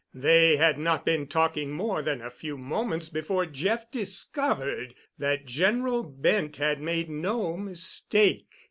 They had not been talking more than a few moments before Jeff discovered that General Bent had made no mistake.